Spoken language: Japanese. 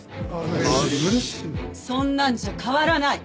そんなんじゃ変わらない！